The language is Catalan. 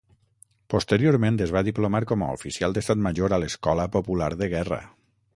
Posteriorment es va diplomar com a oficial d'Estat Major a l'Escola Popular de Guerra.